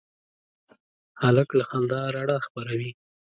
هلک له خندا رڼا خپروي.